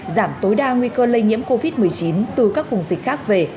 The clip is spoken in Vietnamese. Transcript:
giảm tối đa nguy cơ lây nhiễm covid một mươi chín từ các vùng dịch khác về